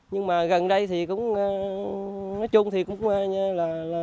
nhưng mà gần đây thì cũng nói chung thì cũng là